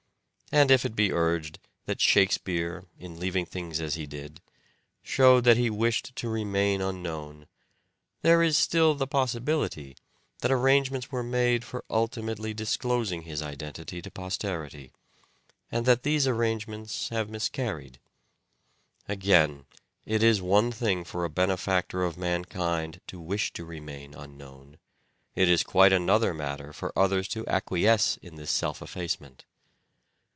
And if it be urged that " Shakespeare " in leaving things as he did, showed that he wished to remain unknown, there is still the possibility that arrangements were made for ultimately disclosing his identity to posterity, and that these arrangements have miscarried. Again, it is one thing for a benefactor of mankind to wish to remain unknown, it is quite another matter for others to acquiesce in this self effacement.